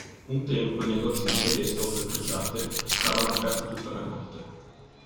Un tempo i negozi di tele e stoffe pregiate restavano aperti tutta la notte.